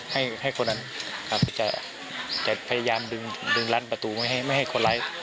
ให้ให้คนนั้นจะจะพยายามดึงดึงรั้นประตูไม่ให้ไม่ให้คนร้าย